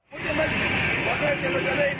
แหละอยากรู้ชื่อคนชื่อร้อยเวียน